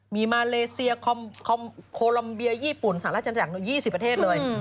มีมาเลเซียโคลอมเบียญี่ปุ่นสหรัฐจันจักร๒๐ประเทศเลย